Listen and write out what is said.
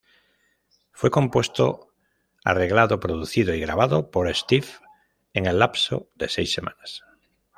Fue compuesto, arreglado, producido y grabado por Steve en el lapso de seis semanas.